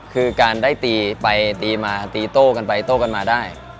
คือการได้ตีไปตีมาตีโต้กันไปโต้กันมาได้